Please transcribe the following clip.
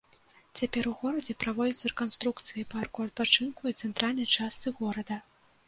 Цяпер у горадзе праводзіцца рэканструкцыі парку адпачынку і цэнтральнай частцы горада.